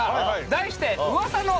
題して。